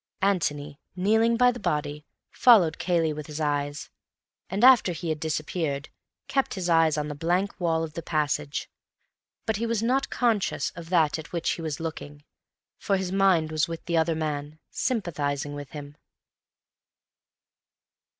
Antony, kneeling by the body, followed Cayley with his eyes, and, after he had disappeared, kept his eyes on the blank wall of the passage, but he was not conscious of that at which he was looking, for his mind was with the other man, sympathizing with him.